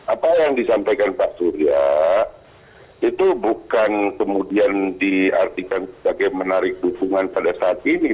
apa yang disampaikan pak surya itu bukan kemudian diartikan sebagai menarik dukungan pada saat ini